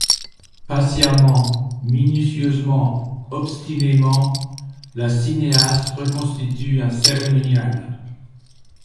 Patiemment, minutieusement, obstinément, la cinéaste reconstitue un cérémonial.